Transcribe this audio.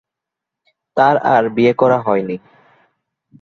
তার আর বিয়ে করা হয়নি।